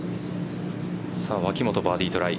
脇元、バーディートライ。